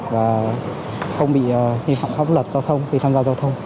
và không bị nghi phạm hấp luật giao thông khi tham gia giao thông